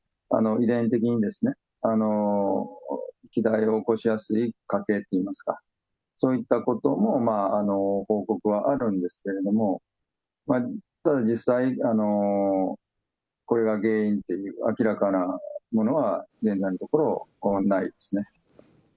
遺伝的に肥大を起こしやすい家系っていいますか、そういったことも報告はあるんですけれども、ただ実際、これが原因っていう、明らかなものは現在のところないですね。